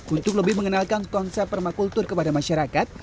untuk lebih mengenalkan konsep permakultur kepada masyarakat